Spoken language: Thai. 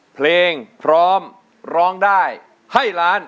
เพลงพร้อมร้องได้ให้ล้าน